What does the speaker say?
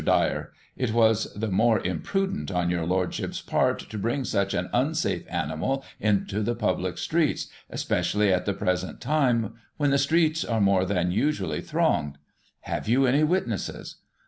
Dyer : It was the more imprudent on your lordship's part to bring such an unsafe animal into the public streets, especially at the present time, when the streets are more than usually thronged Have you any witnesses?